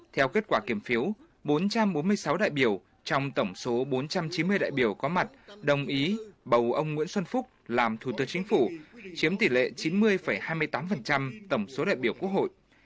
theo kết quả kiểm phiếu bốn trăm bốn mươi sáu đại biểu trong tổng số bốn trăm chín mươi đại biểu có mặt đồng ý bầu ông nguyễn xuân phúc làm thủ tướng chính phủ chiếm tỷ lệ chín mươi hai mươi tám tổng số đại biểu quốc hội